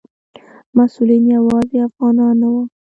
مسؤلین یوازې افغانان نه وو.